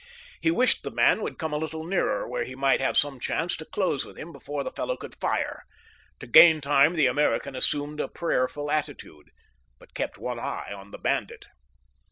He wished the man would come a little nearer where he might have some chance to close with him before the fellow could fire. To gain time the American assumed a prayerful attitude, but kept one eye on the bandit.